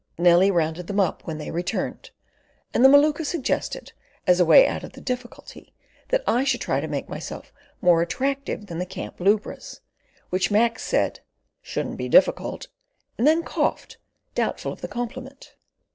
Nellie rounded them up when they returned, and the Maluka suggested, as a way out of the difficulty, that I should try to make myself more attractive than the camp lubras, which Mac said "shouldn't be difficult," and then coughed, doubtful of the compliment.